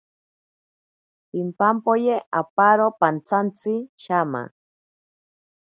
Pimpampoye aparo pantsantsi shama.